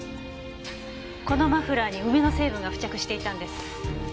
このマフラーに梅の成分が付着していたんです。